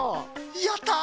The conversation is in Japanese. やった。